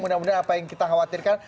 mudah mudahan apa yang kita khawatirkan